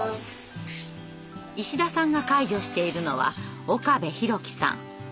石田さんが介助しているのは岡部宏生さん。